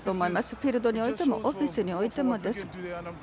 フィールドにおいてもオフィスにおいてもです。